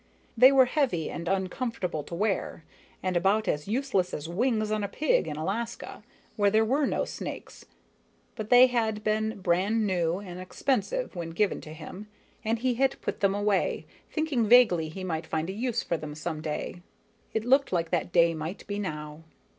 They were heavy and uncomfortable to wear, and about as useless as wings on a pig in Alaska, where there are no snakes; but they had been brand new and expensive when given to him, and he had put them away, thinking vaguely he might find a use for them some day. It looked like that day might be now.